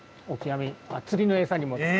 釣りの餌にも使う。